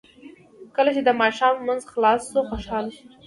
کله چې د ماښام لمونځ خلاص شو خوشاله شو.